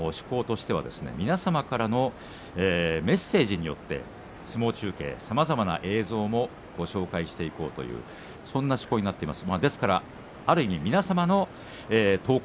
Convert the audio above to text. そのほかいちばんの趣向としては皆様からのメッセージによって相撲中継さまざまな映像もご紹介していこうというそんな趣向になっています。